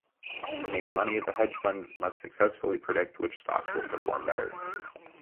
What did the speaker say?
To make money, the hedge fund must successfully predict which stocks will perform better.